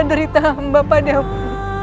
derita amba padamu